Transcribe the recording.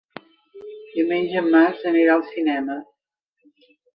Diumenge en Max anirà al cinema.